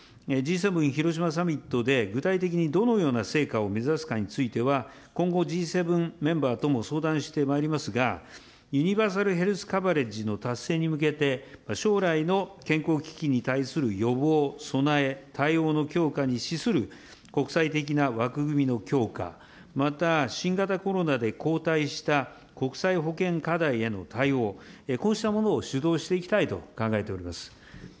Ｇ７・広島サミットで具体的にどのような成果を目指すかについては、今後、Ｇ７メンバーとも相談してまいりますが、ユニバーサルヘルスカバレッジの達成に向けて、将来の健康危機に対する予防、備え、対応の強化に資する国際的な枠組みの強化、また新型コロナで後退した国際保健課題への対応、こうしたものを主導していきたいと考えております。